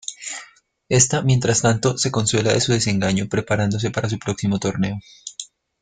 Esta, mientras tanto, se consuela de su desengaño preparándose para su próximo torneo.